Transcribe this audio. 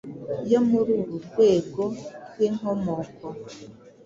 yo muri uru rwego rw'inkomoko